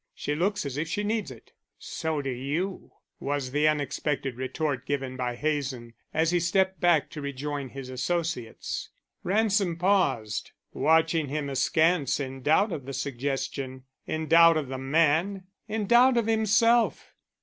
She looks as if she needs it." "So do you," was the unexpected retort given by Hazen, as he stepped back to rejoin his associates. Ransom paused, watching him askance in doubt of the suggestion, in doubt of the man, in doubt of himself.